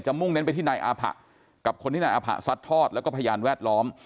มุ่งเน้นไปที่นายอาผะกับคนที่นายอาผะซัดทอดแล้วก็พยานแวดล้อม